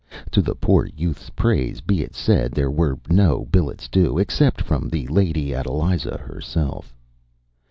To the poor youth’s praise be it said, there were no billets doux, except from the Lady Adeliza herself.